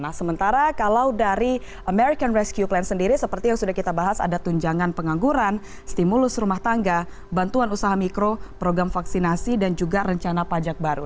nah sementara kalau dari american rescue plan sendiri seperti yang sudah kita bahas ada tunjangan pengangguran stimulus rumah tangga bantuan usaha mikro program vaksinasi dan juga rencana pajak baru